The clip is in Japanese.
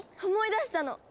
思い出したの！